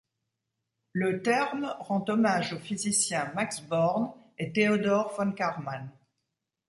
Le terme rend hommage aux physiciens Max Born et Theodore von Kármán.